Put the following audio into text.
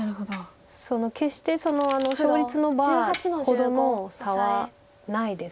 決して勝率のバーほどの差はないです。